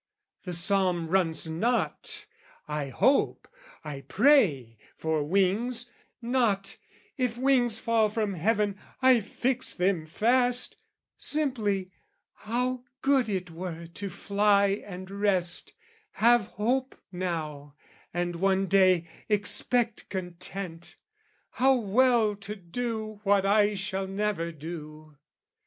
The psalm runs not "I hope, I pray for wings," Not "If wings fall from heaven, I fix them fast," Simply "How good it were to fly and rest, "Have hope now, and one day expect content! "How well to do what I shall never do!"